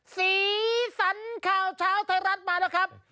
สีสันข่าวเช้าไทยรัฐมาแล้วครับ